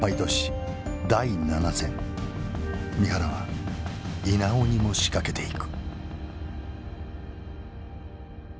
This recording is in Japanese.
三原は稲尾にも仕掛けていく。